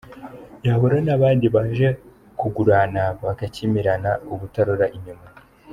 Yahura n’abandi baje kugurana bagakimirana ubutarora inyuma.